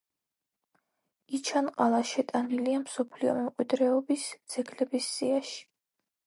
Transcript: იჩან-ყალა შეტანილია მსოფლიო მემკვიდრეობის ძეგლების სიაში.